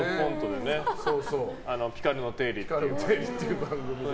「ピカルの定理」っていう番組でね。